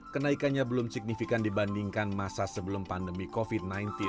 kenaikannya belum signifikan dibandingkan masa sebelum pandemi covid sembilan belas